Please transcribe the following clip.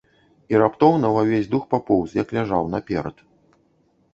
І раптоўна ва ўвесь дух папоўз, як ляжаў, наперад.